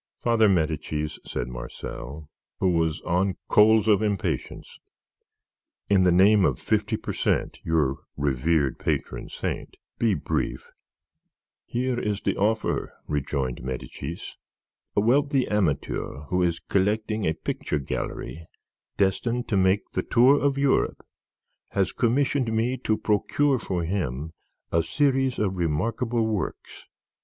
"Father Medicis," said Marcel, who was on coals of impatience, "in the name of fifty per cent, your revered patron saint, be brief." "Here is the offer," rejoined Medicis. "A wealthy amateur, who is collecting a picture gallery destined to make the tour of Europe, has commissioned me to procure for him a series of remarkable works.